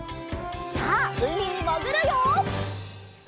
さあうみにもぐるよ！